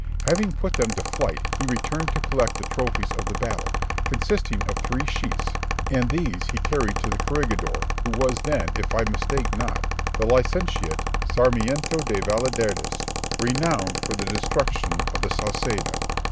Having put them to flight, he returned to collect the trophies of the battle, consisting of three sheaths, and these he carried to the corregidor, who was then, if I mistake not, the licentiate Sarmiento de Valladares, renowned for the destruction of the Sauceda.